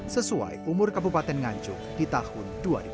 sesuai umur kabupaten nganjuk di tahun dua ribu dua